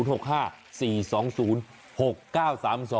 โอ้ยอยากกินน่ะ